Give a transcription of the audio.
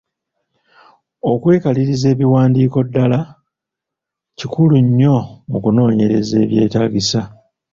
okwekaliriza ebiwandiiko ddaala kikkulu nnyo mu kunoonyereza ebyetaagisa .